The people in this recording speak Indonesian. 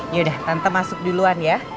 yaudah tante masuk duluan ya